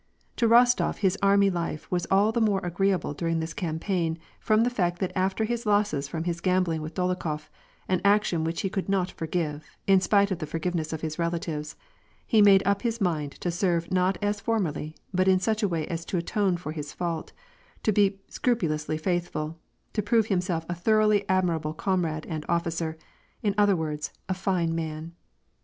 To Eostof his army life was all the more agreeable during this campaign from the fact that after his losses from his gambling with Dolokhof — an action which he could not forgive, in spite of the forgiveness of his relatives — he made up his mind to serve not as formerly, but in such a way as to atone for his fault, to be scrupulously faithful, to prove himself a thoroughly admirable comrade and officer, in other words a " fine man."